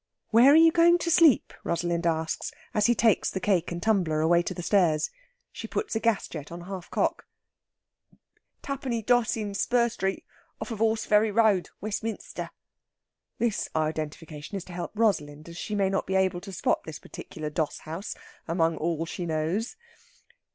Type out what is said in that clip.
"Where are you going to sleep?" Rosalind asks, as he takes the cake and tumbler away to the stairs. She puts a gas jet on half cock. "Twopenny doss in Spur Street, off of 'Orseferry Road, Westminster." This identification is to help Rosalind, as she may not be able to spot this particular doss house among all she knows.